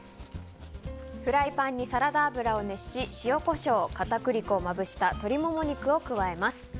フライパンにサラダ油を熱し塩、コショウ、片栗粉をまぶした鶏モモ肉を加えます。